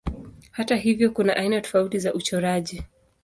Hata hivyo kuna aina tofauti za uchoraji.